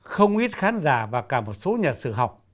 không ít khán giả và cả một số nhà sử học